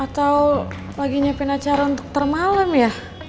atau lagi nyiapin acara untuk termalem ya